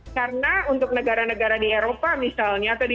karena untuk negara negara di eropa misalnya